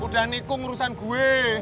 udah nikung urusan gue